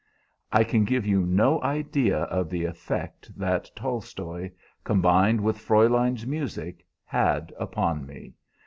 "I can give you no idea of the effect that Tolstoi, combined with Fräulein's music, had upon me.